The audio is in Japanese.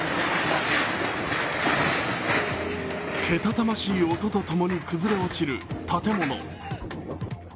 けたたましい音とともに崩れ落ちる建物。